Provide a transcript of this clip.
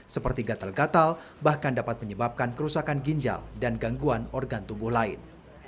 seperti gatal gatal bahkan dapat menyebabkan kerusakan ginjal dan gangguan organ tubuh lain